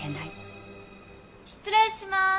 失礼します。